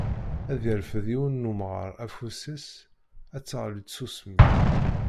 Ad yerfed yiwen n umɣar afus-is, ad d-teɣli tsusmi.